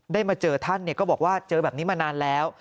มาเจอท่านก็บอกว่าเจอแบบนี้มานานแล้ว